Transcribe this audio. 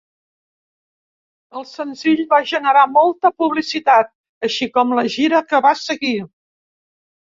El senzill va generar molta publicitat, així com la gira que va seguir.